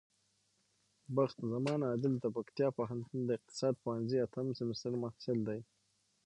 بخت زمان عادل د پکتيا پوهنتون د اقتصاد پوهنځی اتم سمستر محصل دی.